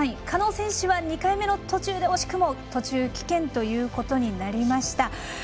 狩野選手は２回目の途中で惜しくも途中棄権ということになりました。